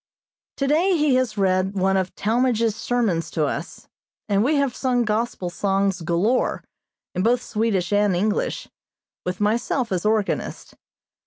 Today he has read one of Talmage's sermons to us, and we have sung Gospel songs galore, in both Swedish and English, with myself as organist.